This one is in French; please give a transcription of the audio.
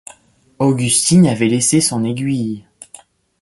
Augustine avait laissé son aiguille.